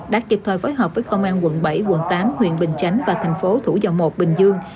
đã kịp thời phối hợp với công an quận bảy quận tám huyện bình chánh và thành phố thủ dầu một bình dương